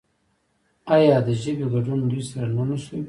آیا د ژبې ګډون دوی سره نه نښلوي؟